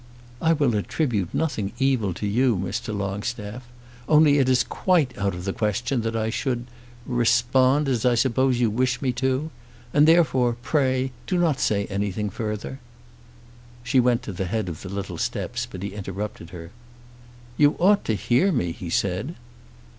"I will attribute nothing evil to you, Mr. Longstaff. Only it is quite out of the question that I should respond as I suppose you wish me to; and therefore, pray, do not say anything further." She went to the head of the little steps but he interrupted her. "You ought to hear me," he said.